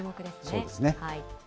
そうですね。